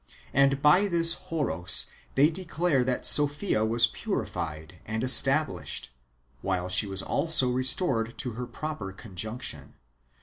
^ And by this Horos they declare that Sophia was purified and estab lished, while she was also restored to her proper conjunction.